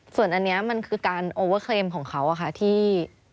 ส่วนอันนี้มันคือการโอเวอร์เครมของเขาที่